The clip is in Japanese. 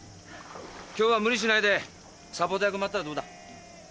今日は無理しないでサポート役に回ったらどうだ？